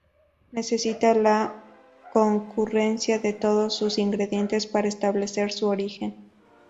Necesita de la concurrencia de todos sus ingredientes para establecer su origen.